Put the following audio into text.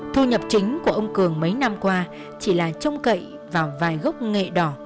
thu nhập chính của ông cường mấy năm qua chỉ là trông cậy vào vài gốc nghệ đỏ